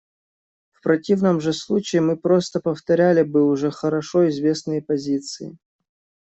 В противном же случае мы просто повторяли бы уже хорошо известные позиции.